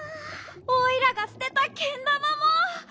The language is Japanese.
おいらがすてたけんだまも！